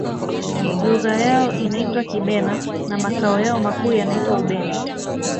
lugha yao inaitwa kibena na makao yao makuu yanaitwa ubena